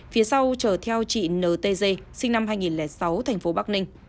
phía sau chở theo chị n t g sinh năm hai nghìn sáu thành phố bắc ninh